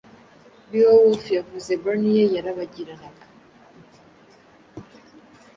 Beowulf yavuze burnie ye yarabagiranaga